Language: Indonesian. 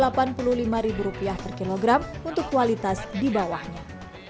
dan juga ada harga yang lebih murah dari seratus ribu rupiah per kilogram untuk kualitas di bawahnya